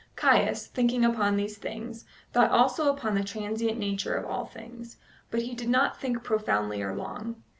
Caius, thinking upon these things, thought also upon the transient nature of all things, but he did not think profoundly or long.